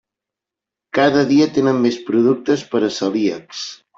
Cada dia tenen més productes per a celíacs.